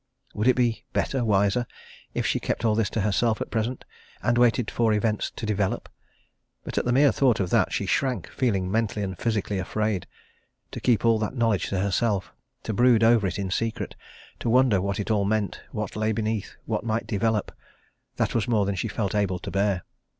Would it be better, wiser, if she kept all this to herself at present, and waited for events to develop? But at the mere thought of that, she shrank, feeling mentally and physically afraid to keep all that knowledge to herself, to brood over it in secret, to wonder what it all meant, what lay beneath, what might develop, that was more than she felt able to bear.